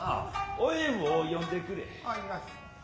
おえんを呼んでくれ。